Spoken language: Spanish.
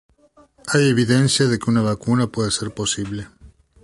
Hay evidencia de que una vacuna puede ser posible.